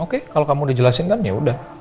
oke kalau kamu udah jelasin kan yaudah